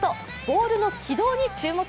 ボールの軌道に注目。